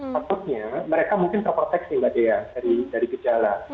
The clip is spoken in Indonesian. maksudnya mereka mungkin terproteksi mbak dea dari gejala